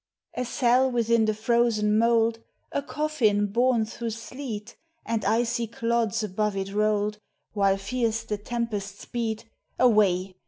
A cell within the frozen mould, A coffin borne through sleet, And icy clods above it rolled, While fierce the tempests beat — Away